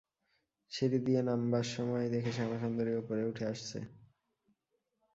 সিঁড়ি দিয়ে নামবার সময় দেখে শ্যামাসুন্দরী উপরে উঠে আসছে।